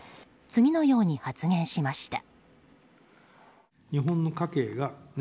次のように発言しました。